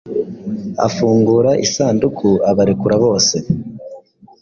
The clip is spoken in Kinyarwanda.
Afungura isanduku, ararekura bose;